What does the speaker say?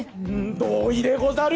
同意でござる！